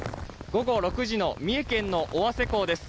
午後６時の三重県の尾鷲港です。